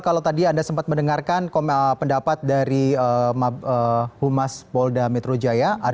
kalau tadi anda sempat mendengarkan pendapat dari humas polda metro jaya